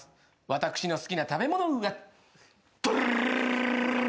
私の好きな食べ物は！